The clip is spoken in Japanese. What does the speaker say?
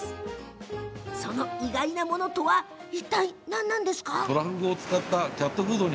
その意外なものとはいったい、何でしょうか？